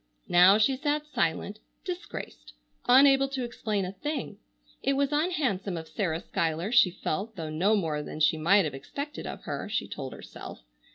Now she sat silent, disgraced, unable to explain a thing. It was unhandsome of Sarah Schuyler, she felt, though no more than she might have expected of her, she told herself.